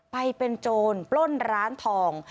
ไปเป็นโจรปล้นร้านทอง